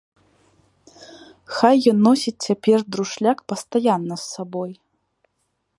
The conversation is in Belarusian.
Хай ён носіць цяпер друшляк пастаянна з сабой.